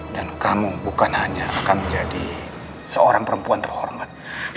kamu bukan hanya akan menjadi seorang perempuan terhormat